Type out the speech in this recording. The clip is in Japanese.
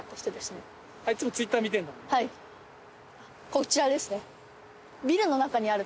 こちらですね。